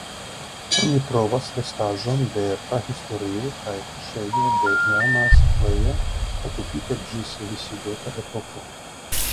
Oni trovis restaĵojn de prahistorio kaj kuŝejo de iama setlejo okupita ĝis visigota epoko.